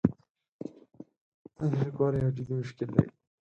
دا د لیکوالو یو جدي مشکل دی.